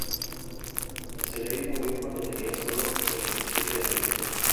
Moseley murió cuando tenía solo veintisiete años.